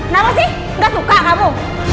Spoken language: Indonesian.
nama sih gak suka kamu